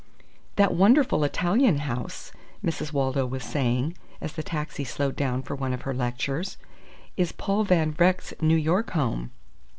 "That wonderful Italian house," Mrs. Waldo was saying, as the taxi slowed down for one of her lectures, "is Paul Van Vreck's New York home.